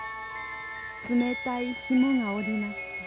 冷たい霜が降りました